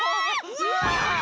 うわ！